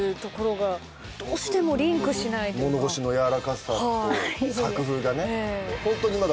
物腰の柔らかさと作風がね。